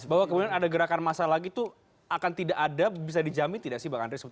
bahwa kemudian ada gerakan massa lagi itu akan tidak ada bisa dijamin tidak sih bang andre